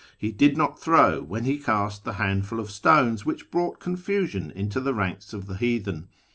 He did not throw when he cast the handful of stones which brought confusion into the ranks of the heathen.